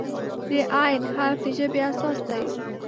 د "ع" حرف د ژبې اساس دی.